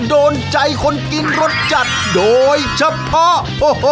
โดนใจคนกินรสจัดโดยเฉพาะ